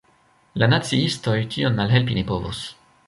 La naciistoj tion malhelpi ne povos.